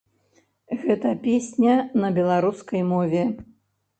Гэта песня на беларускай мове.